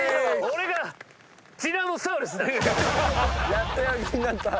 やっとやる気になった。